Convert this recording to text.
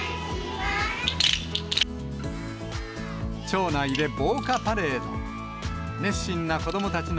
町内で防火パレード。